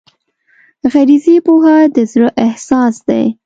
غریزي پوهه د زړه احساس دی.